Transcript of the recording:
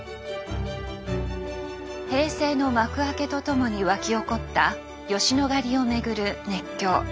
平成の幕開けとともに沸き起こった吉野ヶ里をめぐる熱狂。